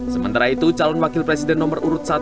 sementara itu calon wakil presiden nomor urut satu